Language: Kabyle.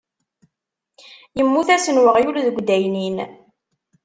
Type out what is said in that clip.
Yemmut-asen uɣyul deg addaynin.